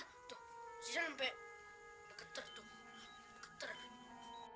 tuh zidane sampai bergetar tuh